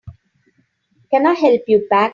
Can I help you pack?